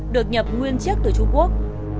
được nhập nguyên chiếc từ trung quốc